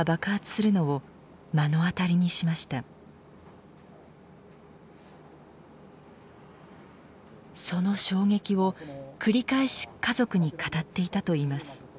その衝撃を繰り返し家族に語っていたといいます。